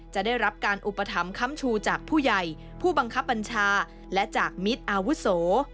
จะได้รับการอุปถัมภัมชูจากผู้ใหญ่ผู้บังคับบัญชาและจากมิตรอาวุโส